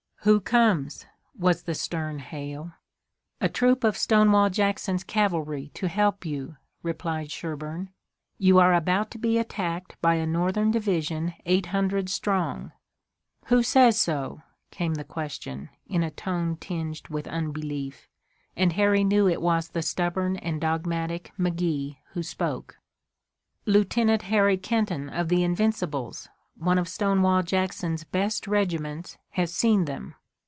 "Who comes?" was the stern hail. "A troop of Stonewall Jackson's cavalry to help you," replied Sherburne. "You are about to be attacked by a Northern division eight hundred strong." "Who says so?" came the question in a tone tinged with unbelief, and Harry knew that it was the stubborn and dogmatic McGee who spoke. "Lieutenant Harry Kenton of the Invincibles, one of Stonewall Jackson's best regiments, has seen them.